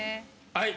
はい。